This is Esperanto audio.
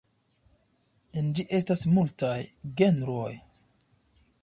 En ĝi estas multaj genroj.